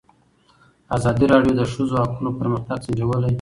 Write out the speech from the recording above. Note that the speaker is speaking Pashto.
ازادي راډیو د د ښځو حقونه پرمختګ سنجولی.